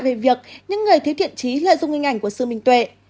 về việc những người thiếu thiện trí lợi dụng hình ảnh của sự minh tuệ